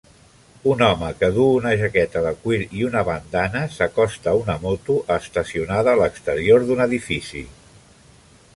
Un home que duu una jaqueta de cuir i una bandana s'acosta a una moto estacionada a l'exterior d'un edifici.